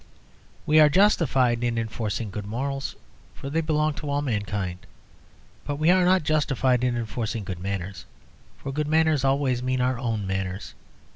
We are justified in enforcing good morals, for they belong to all mankind; but we are not justified in enforcing good manners, for good manners always mean our own manners.